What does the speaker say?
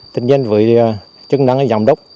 tất nhiên với chức năng giám đốc